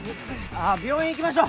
あっ病院行きましょう。